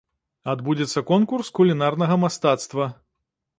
Адбудзецца конкурс кулінарнага мастацтва.